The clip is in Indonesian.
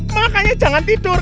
makanya jangan tidur